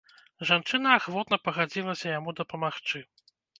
Жанчына ахвотна пагадзілася яму дапамагчы.